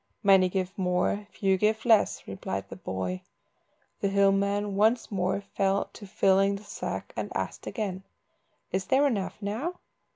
"Many give more, few give less," replied the boy. The hill man once more fell to filling the sack, and again asked "Is there enough now?"